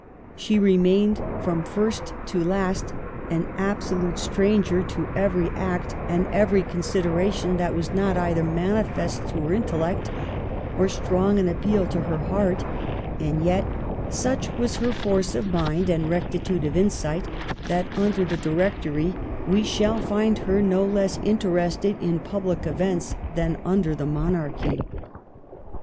She remained, from first to last, an absolute stranger to every act and every Digitized by VjOOQLC NEC KEFS SHORT LIVED TRIUMPH, 47 consideration that was not either manifest to her intellect or strong in appeal to her heart ; and yet such was her force of mind and rectitude of ipsight that, under the Directory, we shall find her no less interested in public events than under the Monarchy.